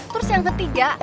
terus yang ketiga